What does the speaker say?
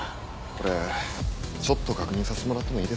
これちょっと確認させてもらってもいいですか？